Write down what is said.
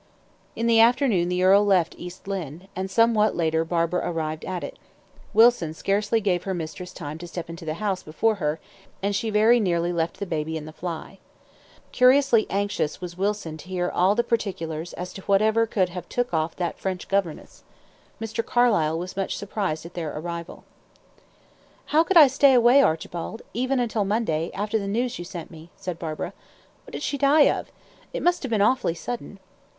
In the afternoon the earl left East Lynne, and somewhat later Barbara arrived at it. Wilson scarcely gave her mistress time to step into the house before her, and she very nearly left the baby in the fly. Curiously anxious was Wilson to hear all particulars as to whatever could have took off that French governess. Mr. Carlyle was much surprised at their arrival. "How could I stay away, Archibald, even until Monday, after the news you sent me?" said Barbara. "What did she die of? It must have been awfully sudden."